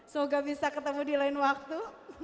so gak bisa ketemu di lain waktu